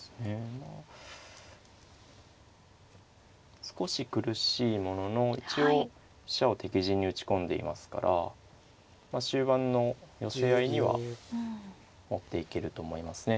まあ少し苦しいものの一応飛車を敵陣に打ち込んでいますから終盤の寄せ合いには持っていけると思いますね